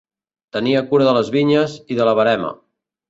Tenia cura de les vinyes i de la verema.